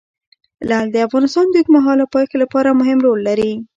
لعل د افغانستان د اوږدمهاله پایښت لپاره مهم رول لري.